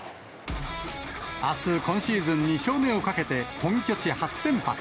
あす、今シーズン２勝目をかけて本拠地初先発。